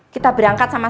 kita berangkat sekarang